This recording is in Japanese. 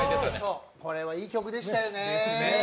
これはいい曲でしたよね。